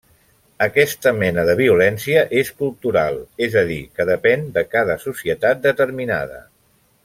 Aquesta mena de violència és cultural, és a dir, que depèn de cada societat determinada.